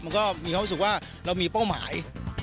มันก็มีความรู้สึกว่าเรามีเป้าหมาย